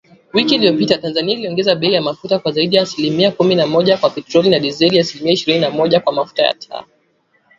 Wiki iliyopita, Tanzania iliongeza bei ya mafuta kwa zaidi ya asilimia kumi na moja kwa petroli na dizeli, na asilimia ishirini na moja kwa mafuta ya taa